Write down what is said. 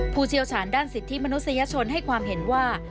ผู้เชี่ยวชาญด้านสิทธิมนุษยชนให้ความเห็นว่า